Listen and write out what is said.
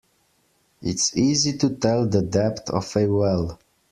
It's easy to tell the depth of a well.